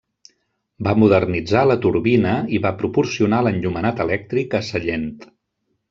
Va modernitzar la turbina i va proporcionar l'enllumenat elèctric a Sallent.